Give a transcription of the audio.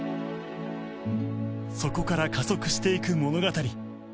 そこから加速していく物語